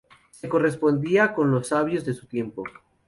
Se correspondía con los sabios de su tiempo.